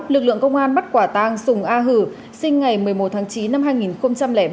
lực lượng công an bắt quả tang sùng a hử sinh ngày một mươi một tháng chín năm hai nghìn ba